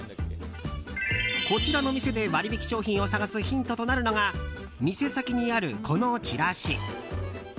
こちらの店で割引商品を探すヒントとなるのが店先にある、このチラシ。